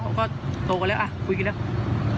เราก็โตกันเร็วคุยกันเร็ว